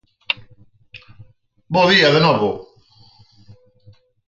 Bo día de novo.